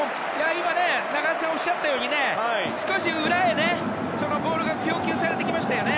今、中田さんがおっしゃったように少し裏へボールが供給されてきましたよね